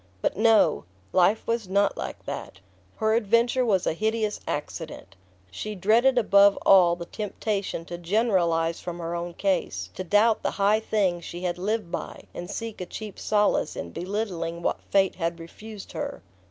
But no! Life was not like that. Her adventure was a hideous accident. She dreaded above all the temptation to generalise from her own case, to doubt the high things she had lived by and seek a cheap solace in belittling what fate had refused her.